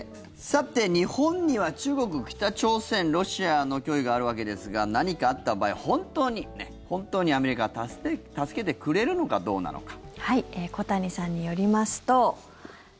さて、日本には中国、北朝鮮、ロシアの脅威があるわけですが何かあった場合本当にアメリカは助けてくれるのかどうなのか。